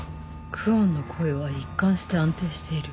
久遠の声は一貫して安定している